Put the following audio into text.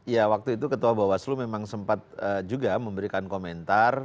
ya waktu itu ketua bawaslu memang sempat juga memberikan komentar